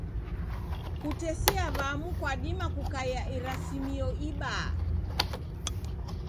Kutesia w'amu kwadima kukaia irasimio ibaa.